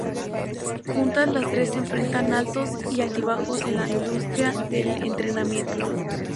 Juntas las tres enfrentan altos y altibajos en la industria del entretenimiento.